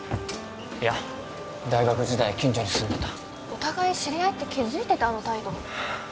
いや大学時代近所に住んでたお互い知り合いって気付いててあの態度？